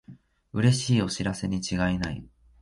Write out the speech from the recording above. うれしいお知らせにちがいない